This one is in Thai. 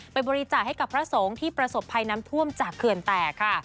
บริจาคให้กับพระสงฆ์ที่ประสบภัยน้ำท่วมจากเขื่อนแตกค่ะ